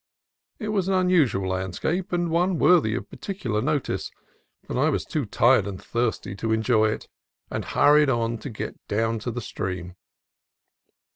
It was an unusual landscape, and one worthy of particular notice, but I was too tired and thirsty to enjoy it, and hurried on to get down to the stream.